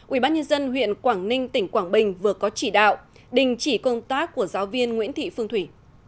ubnd huyện quảng ninh tỉnh quảng bình vừa có chỉ đạo đình chỉ công tác của giáo viên nguyễn thị phương thủy